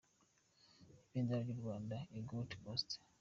Ibendera ry'u Rwanda i Gold Coast.